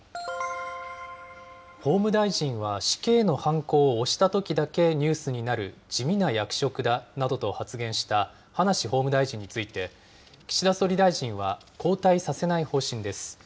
法務大臣は死刑のはんこを押したときだけニュースになる地味な役職だなどと発言した葉梨法務大臣について、岸田総理大臣は交代させない方針です。